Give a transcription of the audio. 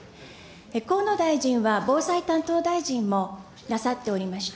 河野大臣は防災担当大臣もなさっておりました。